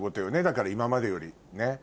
だから今までよりね。